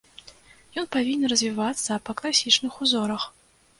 Ён павінен развівацца па класічных узорах.